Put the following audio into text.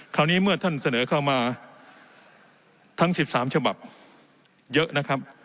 คราวนี้เมื่อท่านเสนอเข้ามาทั้ง๑๓ฉบับเยอะนะครับ